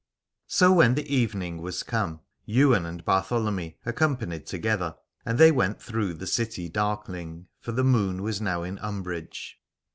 So when the evening was come Ywain and Bartholomy accompanied together ; and they went through the city darkling, for the moon was now in umbrage.